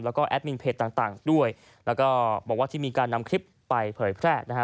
แล้วก็แอดมินเพจต่างต่างด้วยแล้วก็บอกว่าที่มีการนำคลิปไปเผยแพร่นะฮะ